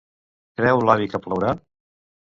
Creu l'avi que plourà?